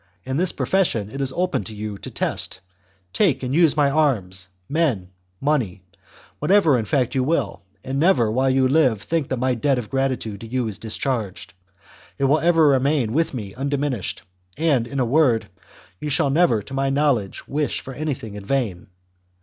And this profession it is open to you to test : take and use my arms, men, money, whatever in fact you will, and never, while you live, think that my debt of gratitude to you is discharged. It will ever remain with me undiminished, and, in a word, you shall never to my knowledge wish for anything in vain.